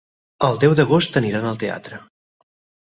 El deu d'agost aniran al teatre.